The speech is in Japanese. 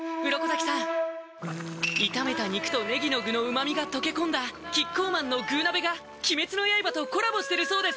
鱗滝さん炒めた肉とねぎの具の旨みが溶け込んだキッコーマンの「具鍋」が鬼滅の刃とコラボしてるそうです